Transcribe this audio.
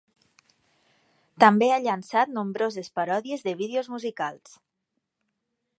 També ha llançat nombroses paròdies de vídeos musicals.